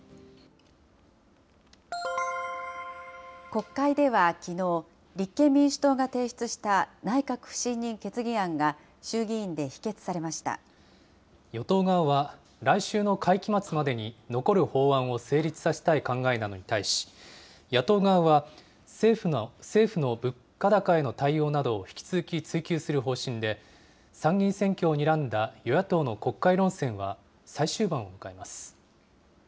国会ではきのう、立憲民主党が提出した内閣不信任決議案が衆与党側は、来週の会期末までに残る法案を成立させたい考えなのに対し、野党側は政府の物価高への対応などを引き続き追及する方針で、参議院選挙をにらんだ与野党の国会論戦は最終盤を迎えます。